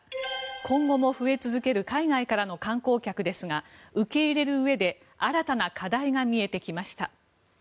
今後も増え続ける海外からの観光客ですが受け入れるうえで新たな課題が見えてきました。